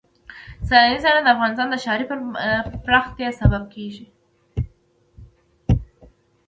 سیلانی ځایونه د افغانستان د ښاري پراختیا سبب کېږي.